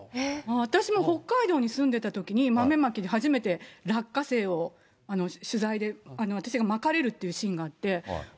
私も北海道に住んでいたときに、豆まきで初めて、落花生を、取材で私がまかれるってシーンがあって。